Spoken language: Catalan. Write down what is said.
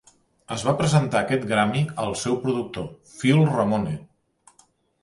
Es va presentar aquest Grammy al seu productor, Phil Ramone.